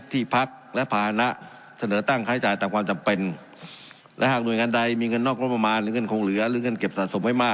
ที่พักคลักษณ์และภาณะ